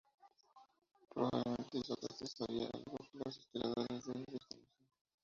Probablemente Isócrates sabía algo que los historiadores de hoy desconocen.